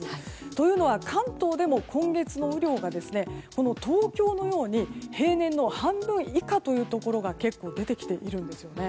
というのは関東でも今月の雨量が東京のように平年の半分以下というところが結構、出てきているんですね。